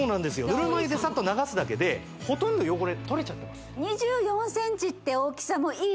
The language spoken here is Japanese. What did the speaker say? ぬるま湯でサッと流すだけでほとんど汚れ取れちゃってます